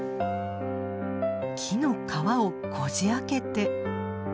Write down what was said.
木の皮をこじあけて。